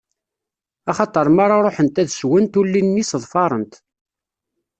Axaṭer mi ara ṛuḥent ad swent, ulli-nni sseḍfarent.